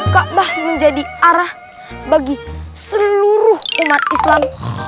kaabah menjadi arah bagi seluruh umat islam